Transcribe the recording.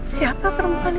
siapa perempuan itu